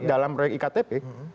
dalam proyek iktp